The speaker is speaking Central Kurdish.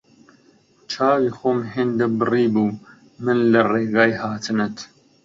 چاوی خۆم هێندە بڕیبوو من لە ڕێگای هاتنت